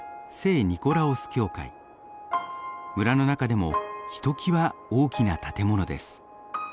村の中でもひときわ大きな建物です。